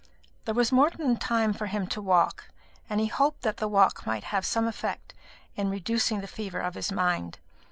There was more than time for him to walk, and he hoped that the walk might have some effect in reducing the fever of his mind.